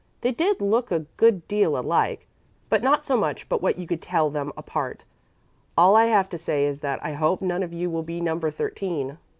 They did look a good deal alike, but not so much but what you could tell them apart. All I have to say is that I hope none of you will be number thirteen."